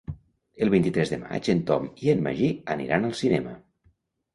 El vint-i-tres de maig en Tom i en Magí aniran al cinema.